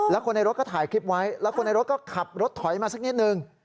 แล้วคนในรถก็ถ่ายคลิปไว้แล้วคนในรถก็ขับรถถอยมาสักนิดนึง